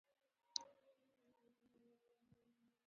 ډاکټره څارنه کوي.